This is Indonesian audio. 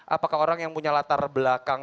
apakah orang yang punya latar belakang